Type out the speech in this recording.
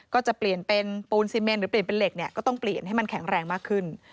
ก็จะเปลี่ยนเป็นปูนซีเมนหรือเปลี่ยนเป็นเหล็กเนี่ยก็ต้องเปลี่ยนให้มันแข็งแรงมากขึ้น